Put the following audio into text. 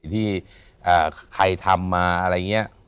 ที่ใครทำมาอะไรเงี้ย